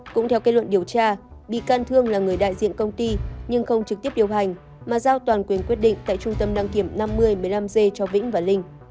cũng theo kết luận điều tra bị can thương là người đại diện công ty nhưng không trực tiếp điều hành mà giao toàn quyền quyết định tại trung tâm đăng kiểm năm mươi một mươi năm g cho vĩnh và linh